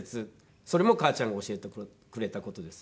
それも母ちゃんが教えてくれた事です。